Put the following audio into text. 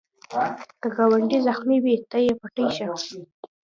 که ګاونډی زخمې وي، ته یې پټۍ شه